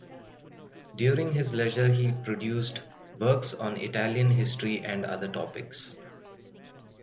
During his leisure, he produced works on Italian history and other topics.